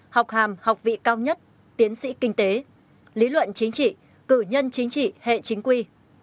học hàm học vị cao nhất tiến sĩ kinh tế lý luận chính trị cử nhân chính trị hệ chính quy